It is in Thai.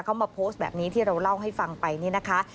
เขามาโพสต์แบบนี้ที่เราเล่าให้ฟังไปนี่นะคะ